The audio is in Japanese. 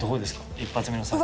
一発目の作品。